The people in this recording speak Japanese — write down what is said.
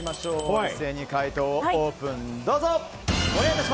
一斉に解答をオープン！